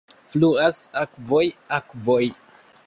Fluas akvoj, akvoj.